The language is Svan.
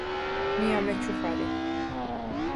მი ამეჩუ ხვა̈რი.